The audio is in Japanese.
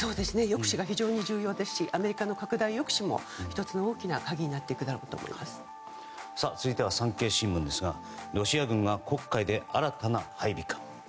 抑止が非常に重要ですしアメリカの拡大抑止も１つの大きな鍵に続いて産経新聞ですがロシア軍が黒海で新たな配備か。